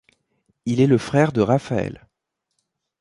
Il est le frère de Raphaël.